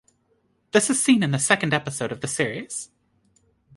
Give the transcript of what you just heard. This is seen in the second episode of the series.